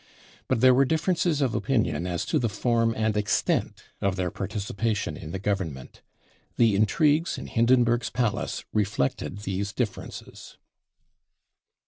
But there were j differences of opinion as to the form and extent of their j participation in the Government. The intrigues in Hinden burg's palace reflected these differences.